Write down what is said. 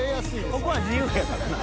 ここは自由やから実は。